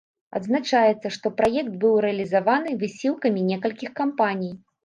Адзначаецца, што праект быў рэалізаваны высілкамі некалькіх кампаній.